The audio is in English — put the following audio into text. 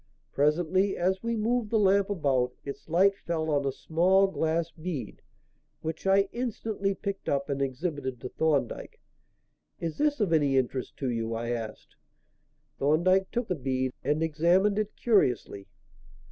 Presently, as we moved the lamp about, its light fell on a small glass bead, which I instantly picked up and exhibited to Thorndyke. "Is this of any interest to you?" I asked. Thorndyke took the bead and examined it curiously.